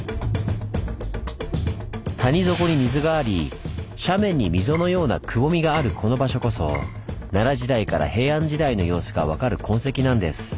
谷底に水があり斜面に溝のようなくぼみがあるこの場所こそ奈良時代から平安時代の様子が分かる痕跡なんです。